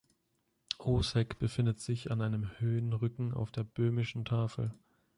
Osek befindet sich an einem Höhenrücken auf der Böhmischen Tafel.